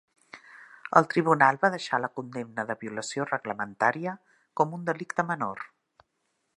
El tribunal va deixar la condemna de violació reglamentaria, con un delicte menor.